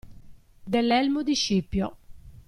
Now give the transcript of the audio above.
Dell'elmo di Scipio.